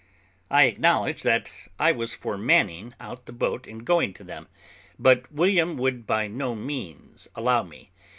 I acknowledge that I was for manning out the boat and going to them, but William would by no means allow me.